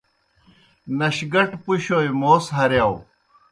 نشگٹ پُشوئے موس ہرِیاؤ۔